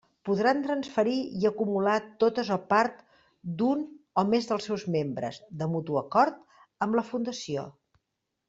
Podran transferir i acumular totes o part, d'un o més dels seus membres, de mutu acord amb la Fundació.